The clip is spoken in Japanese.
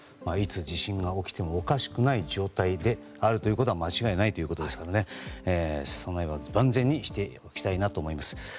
いつ地震が起きてもおかしくない状態であるということは間違いないということですので備えを万全にしていきたいなと思っています。